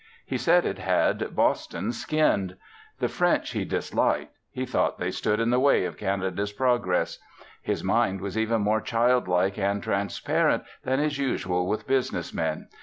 He said it had Boston skinned. The French he disliked. He thought they stood in the way of Canada's progress. His mind was even more childlike and transparent than is usual with business men.